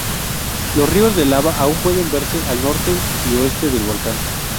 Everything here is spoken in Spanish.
Los ríos de lava aún pueden verse al norte y oeste del volcán.